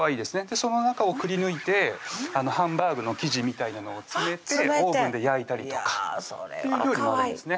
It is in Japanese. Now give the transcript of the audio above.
その中をくり抜いてハンバーグの生地みたいなのを詰めてオーブンで焼いたりとかという料理もあるんですね